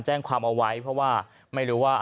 แจ้งความเอาไว้เพราะว่าไม่รู้ว่า